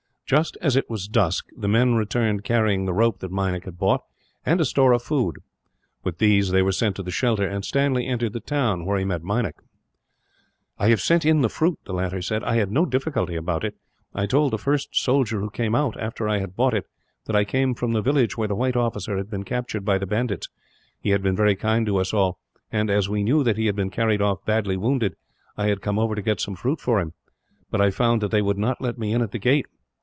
Just as it was dusk, the men returned carrying the rope that Meinik had bought, and a store of food. With these they were sent to the shelter, and Stanley entered the town, where he met Meinik. "I have sent in the fruit," the latter said. "I had no difficulty about it. I told the first soldier who came out, after I had bought it, that I came from the village where the white officer had been captured by the bandits. He had been very kind to us all and, as we knew that he had been carried off badly wounded, I had come over to get some fruit for him; but I found that they would not let me in at the gate.